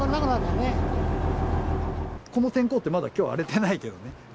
この天候って、まだ、きょう荒れてないけどね。